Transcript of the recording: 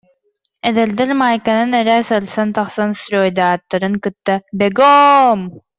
«Эдэрдэр» маайканан эрэ сырсан тахсан стройдааттарын кытта «Бего-оом